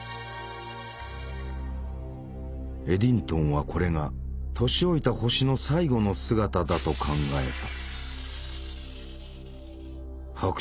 エディントンはこれが年老いた星の最後の姿だと考えた。